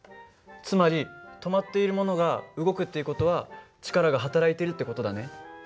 つまり止まっているものが動くっていう事は力がはたらいているって事だね。